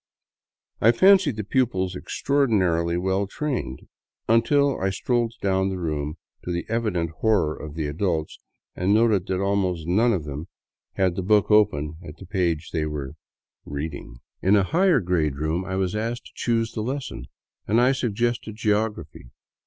I fancied the pupils extraordinarily well trained — until I strolled down the room, to the evident horror of the adults, and noted that almost none of them had the book open at the page they were " reading." 54 FROM BOGOTA OVER THE QUINDIO In a higher grade room I was asked to choose the lesson, and sug^ gested geography.